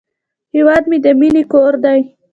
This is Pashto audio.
هیواد مې د مینې کور دی